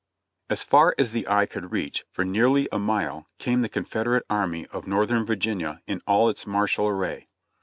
As far as the eye could reach, for nearly a mile, came the Con federate Army of Northern Virginia in all its martial array.